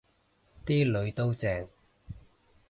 啲囡都正